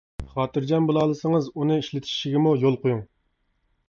خاتىرجەم بولالىسىڭىز ئۇنى ئىشلىتىشىگىمۇ يول قويۇڭ.